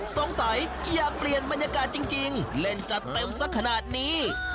สงสัยอยากเปลี่ยนบรรยากาศจริงเล่นจะเต็มซะขนาดนี้